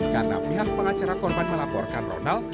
karena pihak pengacara korban melaporkan ronald